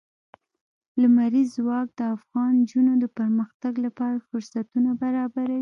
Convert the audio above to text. لمریز ځواک د افغان نجونو د پرمختګ لپاره فرصتونه برابروي.